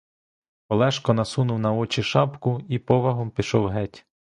Олешко насунув на очі шапку і повагом пішов геть.